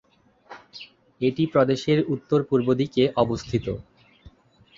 এটি প্রদেশের উত্তর-পূর্ব দিকে অবস্থিত।